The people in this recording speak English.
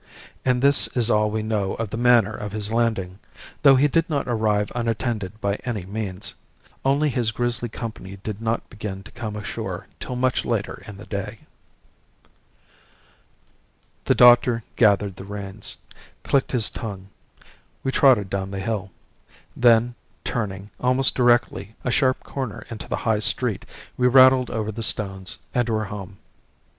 And this is all we know of the manner of his landing, though he did not arrive unattended by any means. Only his grisly company did not begin to come ashore till much later in the day...." The doctor gathered the reins, clicked his tongue; we trotted down the hill. Then turning, almost directly, a sharp corner into the High Street, we rattled over the stones and were home.